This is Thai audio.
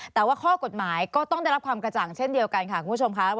แต่ว่าข้อกฎหมายก็ต้องได้รับความกระจ่างเช่นเดียวกันค่ะ